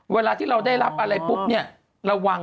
เวลาที่เราได้รับอะไรปุ๊บเนี่ยระวัง